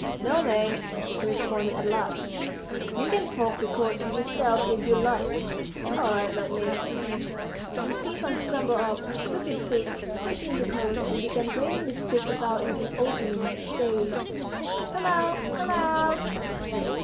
"No, mate," he responded at last, "you can poke the coat in yourself, if you like." "All right, let me." And Stepan scrambled up, took the stick, pushed in the coat, and began waving the stick about in the opening, saying, "Come out, come out!"